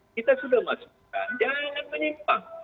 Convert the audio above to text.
kita sudah masukkan jangan menyimpang